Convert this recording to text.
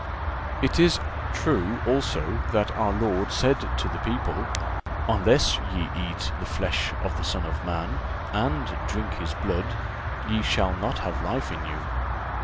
It is true also that our Lord said to the people: "Unless ye eat the flesh of the Son of man, and drink His blood, ye shall not have life in you."